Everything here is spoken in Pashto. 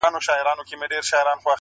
خلك پوه سول چي خبره د قسمت ده؛